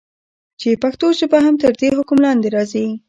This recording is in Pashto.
چې پښتو ژبه هم تر دي حکم لاندي راځي.